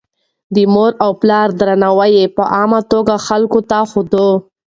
د مور او پلار درناوی يې په عامه توګه خلکو ته ښووه.